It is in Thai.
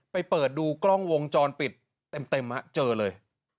เปิดดูกล้องวงจรปิดเต็มฮะเจอเลย